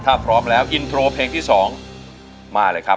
ถ้าพร้อมแล้วอินโทรเพลงที่๒มาเลยครับ